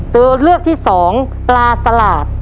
ตัวเลือกที่สองปลาสลาด